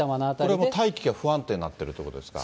これも大気が不安定になってるということですか。